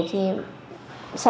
thì sợ lắm